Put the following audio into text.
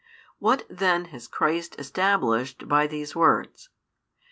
What then has Christ established by these words?